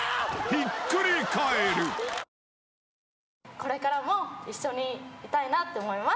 これからも一緒にいたいなと思います。